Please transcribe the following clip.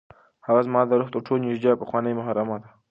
هغه زما د روح تر ټولو نږدې او پخوانۍ محرمه ده.